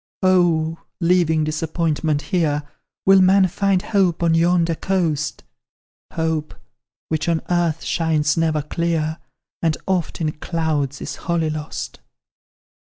"Oh! leaving disappointment here, Will man find hope on yonder coast? Hope, which, on earth, shines never clear, And oft in clouds is wholly lost.